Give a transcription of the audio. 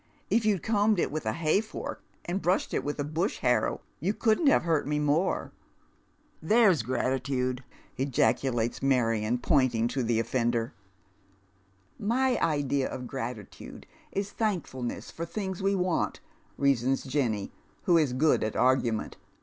" If you'd combed it with a hay fork and brushed it with a bush harrow you couldn't have hurt me more." " There's gratitude !" ejaculates Marion, pointing to the offender. " 3Iy idea of gratitude is thankfulness for things we want," reasons Jenny, who is good at argument.